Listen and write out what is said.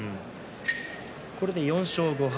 これで４勝５敗。